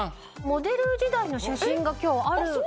モデル時代の写真が今日。